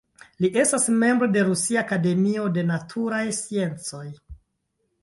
Li estas membro de Rusia Akademio de Naturaj Sciencoj.